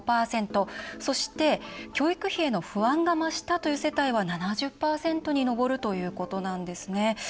そして、教育費への不安が増したという世帯は７０％に上るということなんです。